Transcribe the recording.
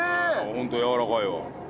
ホントやわらかいわ。